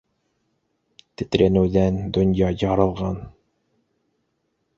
Тетрәнеүҙән донъя яралған.